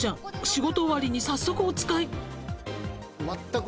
仕事終わりに早速お使い。